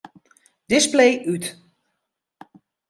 Display út.